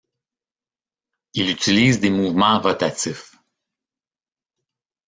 Il utilise des mouvements rotatifs.